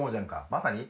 まさに。